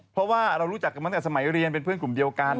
เพราะว่าเรารู้จักกันมาตั้งแต่สมัยเรียนเป็นเพื่อนกลุ่มเดียวกัน